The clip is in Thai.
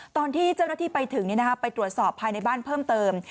ตอนที่เจ้าหน้าที่ไปถึงไปตรวจสอบภายในบ้านเพิ่มเติม